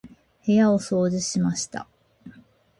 部屋を掃除しました。